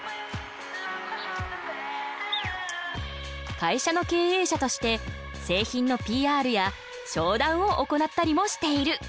会社の経営者として製品のＰＲや商談を行ったりもしている。